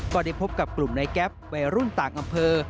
ก็ได้พบกับกลุ่มในแก๊ปวัยรุ่นต่างอำเภอ